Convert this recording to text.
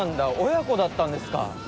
親子だったんですか。